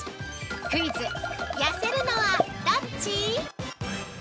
クイズ☆痩せるのはどっち！？